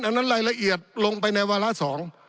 ดังนั้นรายละเอียดลงไปในวาระสอง